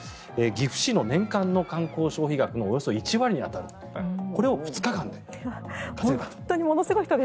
岐阜市の年間の観光消費額のおよそ１割に当たりこれを２日間で稼いだと。